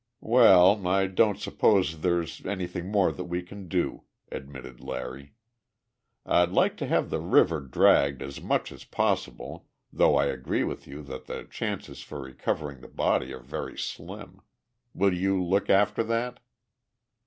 "Well, I don't suppose there's anything more that we can do," admitted Larry. "I'd like to have the river dragged as much as possible, though I agree with you that the chances for recovering the body are very slim. Will you look after that?"